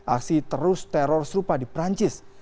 aksi terus teror serupa di perancis